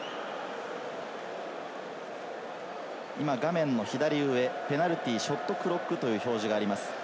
画面の左上、ペナルティーショットクロックという表示があります。